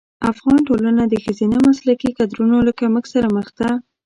افغان ټولنه د ښځینه مسلکي کدرونو له کمښت سره مخ ده.